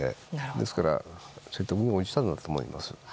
ですから説得に応じたのだと思います。